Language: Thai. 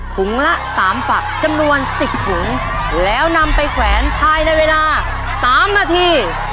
ถุงละ๓ฝักจำนวน๑๐ถุงแล้วนำไปแขวนภายในเวลา๓นาที